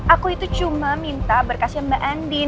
aku itu cuma minta berkasnya mbak andi